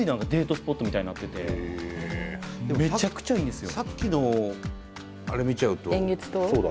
スポットみたいになっててめちゃくちゃいいんですよ！